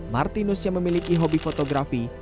martinus yang memiliki hobi fotografi